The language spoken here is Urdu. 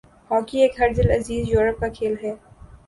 ہاکی ایک ہردلعزیز یورپ کا کھیل ہے